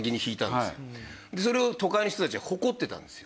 それを都会の人たちは誇っていたんですよ。